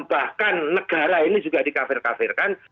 bahkan negara ini juga dikafir kafirkan